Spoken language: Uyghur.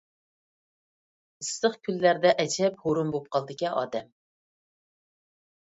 ئىسسىق كۈنلەردە ئەجەب ھۇرۇن بولۇپ قالىدىكەن ئادەم.